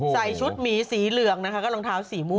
ใส่ชุดหมีสีเหลืองนะคะก็รองเท้าสีม่วง